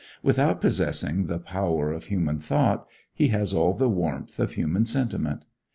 Without possessing the power of human thought, he has all the warmth of human sentiment.